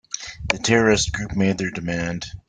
The terrorist group made their demand.